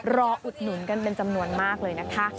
อุดหนุนกันเป็นจำนวนมากเลยนะคะ